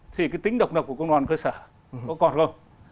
thì cái tính độc độc của công đoàn cơ sở có còn không